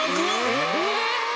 えっ！？